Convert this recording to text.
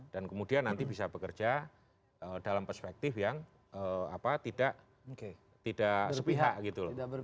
dan kemudian nanti bisa bekerja dalam perspektif yang tidak sepihak gitu loh